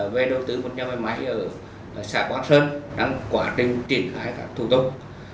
về đầu tư một nhà máy ở xã quảng sơn đang quá trình triển khai các thủ tục